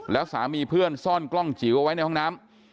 แล้วสามีเพื่อนซ่อนกล้องจิ๋วเอาไว้ในห้องน้ำ